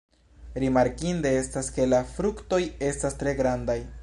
Rimarkinde estas, ke la fruktoj estas tre grandaj.